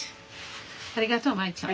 ありがとうマエちゃん。